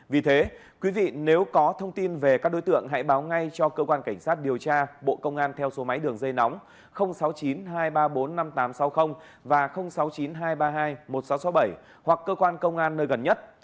vì thế quý vị nếu có thông tin về các đối tượng hãy báo ngay cho cơ quan cảnh sát điều tra bộ công an theo số máy đường dây nóng sáu mươi chín hai trăm ba mươi bốn năm nghìn tám trăm sáu mươi và sáu mươi chín hai trăm ba mươi hai một nghìn sáu trăm sáu mươi bảy hoặc cơ quan công an nơi gần nhất